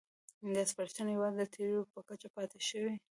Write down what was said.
دا سپارښتنې یوازې د تیورۍ په کچه پاتې شوې.